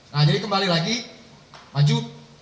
nah jadi kembali lagi maju